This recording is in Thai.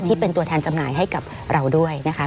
ที่เป็นตัวแทนจำหน่ายให้กับเราด้วยนะคะ